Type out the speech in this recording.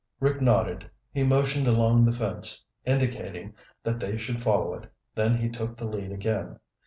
Rick nodded. He motioned along the fence, indicating that they should follow it, then he took the lead again.